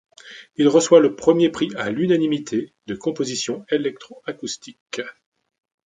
Il reçoit le premier prix à l'unanimité de composition électro-acoustique.